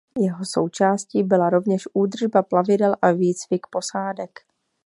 Jeho součástí byla rovněž údržba plavidel a výcvik posádek.